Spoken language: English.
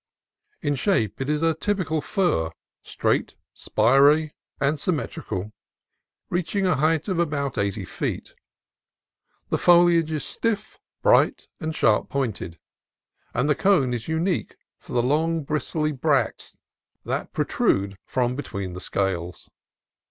In shape it is a typical fir, straight, spiry, and symmetrical, reaching a height of about eighty feet. The foliage is stiff, bright, and sharp pointed, and DUALITY OF CLIMATE 171 the cone is unique for the long, bristly bracts that protrude from between the scales.